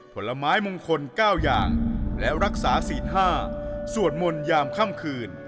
ผลไม้มงคล๙อย่างและรักษาศีล๕สวดมนต์ยามค่ำคืน